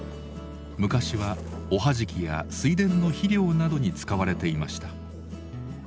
昔はおはじきや水田の肥料などに使われていました。